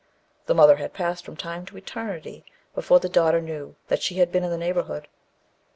The mother had passed from time to eternity before the daughter knew that she had been in the neighbourhood.